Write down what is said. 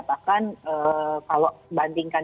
bahkan kalau bandingkan